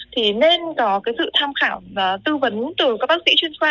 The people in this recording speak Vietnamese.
thì nên có sự tham khảo và tư vấn từ các bác sĩ chuyên khoa